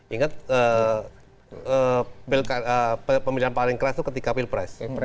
ingat pemilihan paling keras itu ketika pilpres